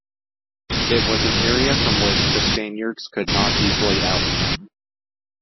It was an area from which the Spaniards could not easily oust him.